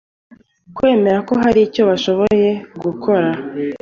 kwemera ko hari icyo bashoboye gukora